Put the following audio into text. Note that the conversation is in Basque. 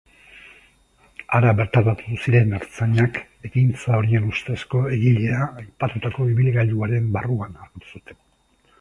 Hara bertaratu ziren ertzainak egintza horien ustezko egilea aipatutako ibilgailuaren barruan aurkitu zuten.